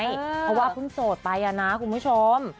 เพราะว่าเพิ่งโสดไปนะคุณผู้ชม